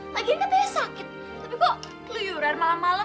lagian katanya sakit tapi kok keluyuran malam malam